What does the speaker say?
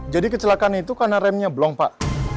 kecelakaan itu karena remnya blong pak